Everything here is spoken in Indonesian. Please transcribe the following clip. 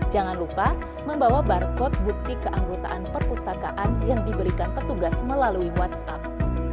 jangan lupa membawa barcode bukti keanggotaan perpustakaan yang diberikan petugas melalui whatsapp